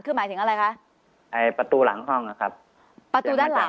คือหมายถึงอะไรคะไอ้ประตูหลังห้องนะครับประตูด้านหลัง